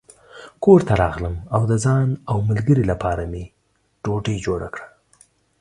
کور ته راغلم او د ځان او ملګري لپاره مې ډوډۍ جوړه کړه.